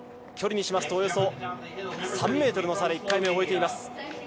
距離にしますとおよそ３ｍの差で１回目を終えています。